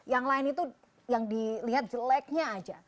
yang lain itu yang dilihat jeleknya aja